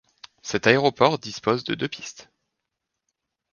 Cet aéroport dispose de deux pistes.